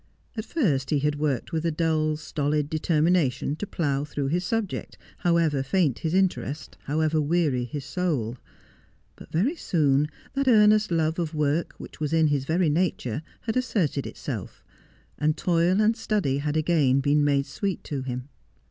At first he had worked with a dull, stolid determination to plough through his subject, however faint his interest, how ever weary his soul. But very soon that earnest love of work which was in his very nature had asserted itself, and toil and study had again been made sweet to him.